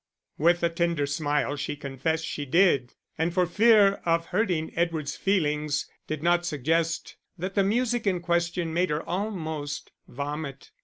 With a tender smile she confessed she did, and for fear of hurting Edward's feelings did not suggest that the music in question made her almost vomit.